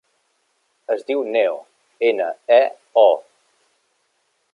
Es diu Neo: ena, e, o.